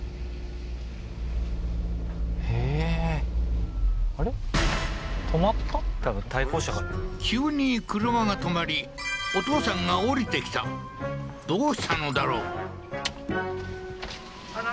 えー急に車が停まりお父さんが降りてきたどうしたのだろう？